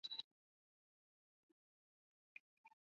他认定东方一个大城市会发生灾难。